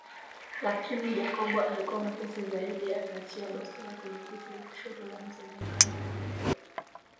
Lakini Jacob alikuwa mwepesi zaidi akaachia bastola kwenye titi la kushoto la mzee Makame